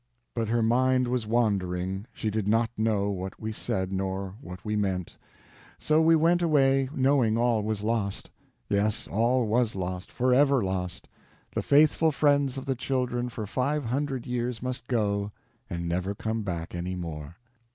But her mind was wandering, she did not know what we said nor what we meant; so we went away knowing all was lost. Yes, all was lost, forever lost; the faithful friends of the children for five hundred years must go, and never come back any more.